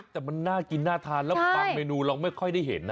แต่มันน่ากินน่าทานแล้วบางเมนูเราไม่ค่อยได้เห็นนะ